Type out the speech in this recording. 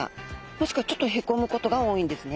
もしくはちょっとへこむことが多いんですね。